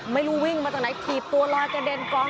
ไม่รู้วิ่งมาจากไหนถีบตัวลอยกระเด็นกอง